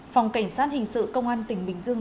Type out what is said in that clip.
phòng cảnh sát hình sự công an tỉnh bình dương